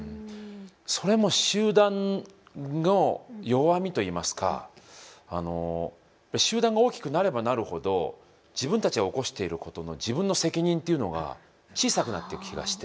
それも集団の弱みといいますか集団が大きくなればなるほど自分たちが起こしていることの自分の責任というのが小さくなっていく気がして。